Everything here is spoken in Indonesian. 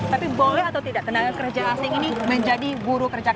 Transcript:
tapi boleh atau tidak tenaga kerja asing ini menjadi buruh kerja keras